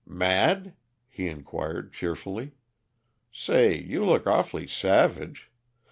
"Mad?" he inquired cheerfully. "Say, you look awfully savage.